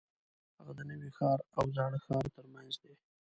هغه د نوي ښار او زاړه ښار ترمنځ دی.